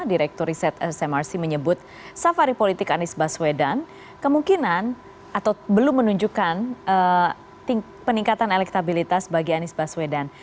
direktur riset smrc menyebut safari politik anies baswedan kemungkinan atau belum menunjukkan peningkatan elektabilitas bagi anies baswedan